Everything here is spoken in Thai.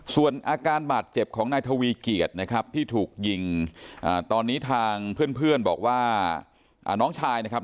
ส่วนอาการบาดเจ็บของนายทวีเกียจนะครับที่ถูกยิงตอนนี้ทางเพื่อนบอกว่าน้องชายนะครับ